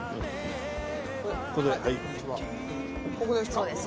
ここですか？